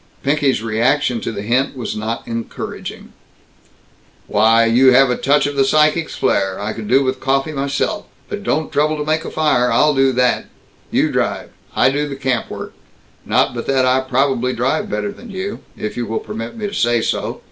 Pinky's reaction to the hint was not encouraging: "Why, you have a touch of the psychic's flare! I could do with coffee myself. But don't trouble to make a fire. I'll do that. You drive I do the camp work. Not but that I probably drive better than you, if you will permit me to say so.